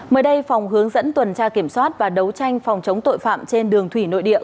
mới đây phòng hướng dẫn tuần tra kiểm soát và đấu tranh phòng chống tội phạm trên đường thủy nội địa